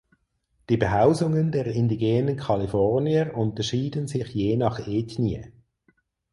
Die Behausungen der indigenen Kalifornier unterschieden sich je nach Ethnie.